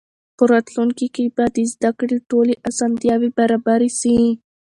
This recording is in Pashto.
په راتلونکي کې به د زده کړې ټولې اسانتیاوې برابرې سي.